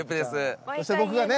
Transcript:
そして僕がね。